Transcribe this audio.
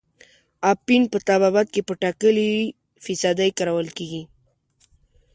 اپین په طبابت کې په ټاکلې فیصدۍ کارول کیږي.